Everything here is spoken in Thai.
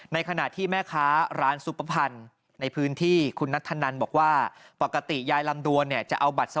ในขณะที่แม่ค้าร้านซุปปะพันธ์